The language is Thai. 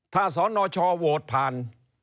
ถ้าสนชโหวตผ่าน